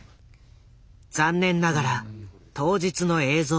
残念ながら当日の映像はない。